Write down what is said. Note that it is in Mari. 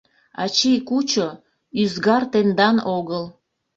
Ачий, кучо!» — «Ӱзгар тендан огыл».